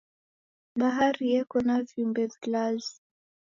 Bahari yeko na viumbe vilazi.